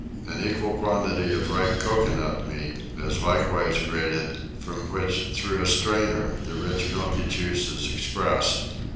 An equal quantity of ripe coconut meat is likewise grated, from which through a strainer the rich milky juice is expressed.